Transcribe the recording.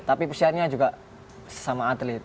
tapi pesiarnya juga sama atlet